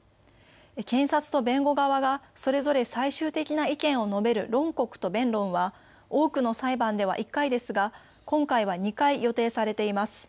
検察と弁護側がそれぞれ最終的な意見を述べる論告と弁論は多くの裁判では１回ですが今回は２回予定されています。